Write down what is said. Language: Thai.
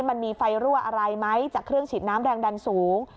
มันมีไฟรั่วอะไรไหมจากเครื่องฉีดน้ำแรงดันสูง